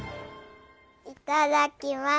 いただきます。